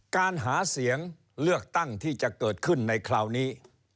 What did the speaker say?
การหาเสียงเลือกตั้งที่จะเกิดขึ้นในคราวนี้